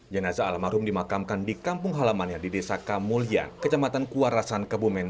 jenazah alam marhum dimakamkan di kampung halamannya di desa kamulian kecamatan kuarasan kebumian